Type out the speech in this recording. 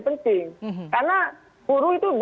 penting karena buruh itu